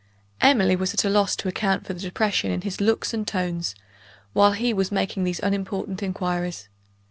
Emily was at a loss to account for the depression in his looks and tones, while he was making these unimportant inquiries.